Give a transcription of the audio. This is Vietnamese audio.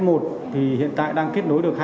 còn f một thì hiện tại đang kết nối được hai